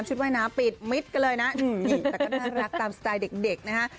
ว่ายน้ำปิดมิดกันเลยนะนี่แต่ก็น่ารักตามสไตล์เด็กนะฮะ